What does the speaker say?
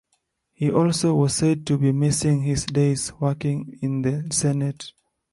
He also was said to be missing his days working in the Senate.